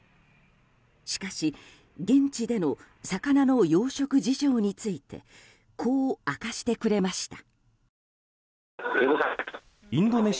しかし、現地での魚の養殖事情についてこう明かしてくれました。